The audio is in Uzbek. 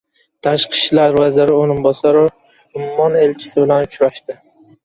Tashqi ishlar vaziri o‘rinbosari Ummon elchisi bilan uchrashdi